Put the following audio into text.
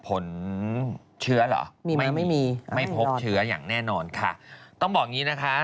ผลเชื้อเหรอมีไม่ไม่มีไม่พบเชื้ออย่างแน่นอนค่ะต้องบอกอย่างงี้นะคะ